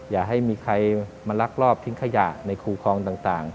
อย่าให้มีใครมาลักลอบทิ้งขยะในคู่คลองต่าง